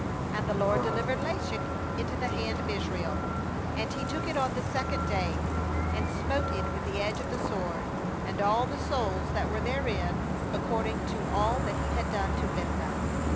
^And the LORD delivered Lachish into the hand of Israel, and he took it on the second day, and smote it with the edge of the sword, and all the souls that were therein, according to all that he had done to Libnah.